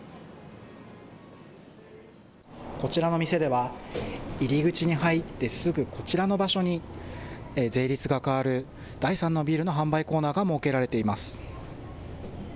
こちらの店では入り口に入ってすぐこちらの場所に税率が変わる第３のビールの販売コーナーが設けられています。